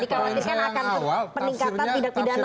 dikhawatirkan akan peningkatan tindak pidana